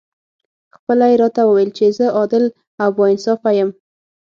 خپله یې راته وویل چې زه عادل او با انصافه یم.